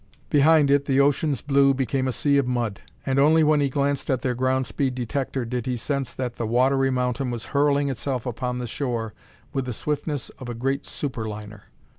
Behind it the ocean's blue became a sea of mud; and only when he glanced at their ground speed detector did he sense that the watery mountain was hurling itself upon the shore with the swiftness of a great super liner.